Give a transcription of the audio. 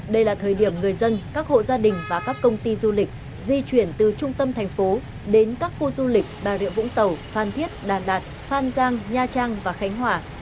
đây là thời điểm người dân các hộ gia đình và các công ty du lịch di chuyển từ trung tâm thành phố đến các khu du lịch bà rịa vũng tàu phan thiết đà lạt phan giang nha trang và khánh hòa